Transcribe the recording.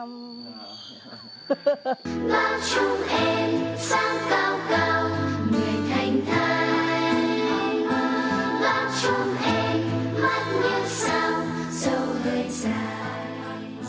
mắt như sao dầu hơi dài